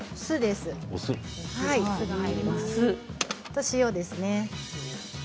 あと塩ですね。